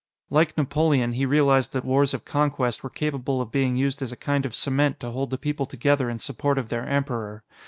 Like Napoleon, he realized that wars of conquest were capable of being used as a kind of cement to hold the people together in support of their Emperor.